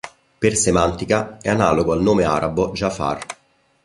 Per semantica, è analogo al nome arabo "Jafar".